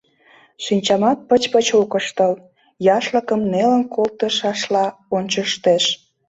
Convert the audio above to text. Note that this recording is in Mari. Шинчамат пыч-пыч ок ыштыл, яшлыкым нелын колтышашла ончыштеш.